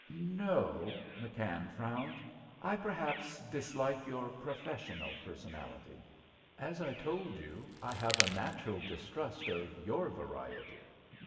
"No," McKann frowned, "I perhaps dislike your professional personality. As I told you, I have a natural distrust of your variety."